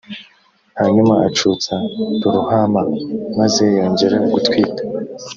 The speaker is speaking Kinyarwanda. hanyuma acutsa loruhama maze yongera gutwita